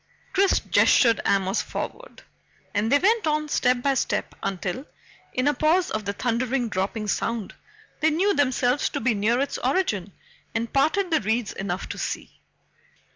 Chris gestured Amos forward, and they went on step by step until, in a pause of the thundering dropping sound, they knew themselves to be near its origin and parted the reeds enough to see.